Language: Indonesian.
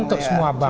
untuk semua bank